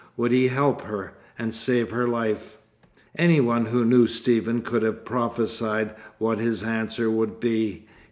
Would he help her, and save her life? Any one who knew Stephen could have prophesied what his answer would be.